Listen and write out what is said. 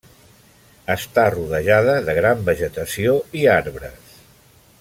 Està rodejada de gran vegetació i arbres.